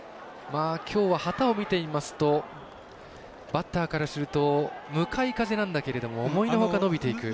きょうは、旗を見ていますとバッターからすると向かい風なんだけれども思いのほか伸びていく。